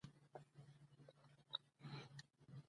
احمدشاه بابا دوره د علم او ادب دوره هم وه.